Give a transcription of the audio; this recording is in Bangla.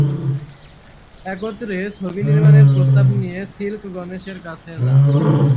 একত্রে ছবি নির্মাণের প্রস্তাব নিয়ে সিল্ক গণেশের কাছে যান।